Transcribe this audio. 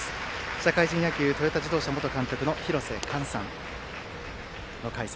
社会人野球トヨタ自動車元監督の廣瀬寛さんの解説。